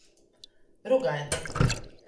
Rugaite.